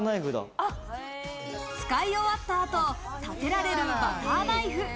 使い終わった後、立てられるバターナイフ。